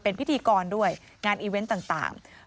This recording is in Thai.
เป็นพิธีกรด้วยงานอีเวนต์ต่าง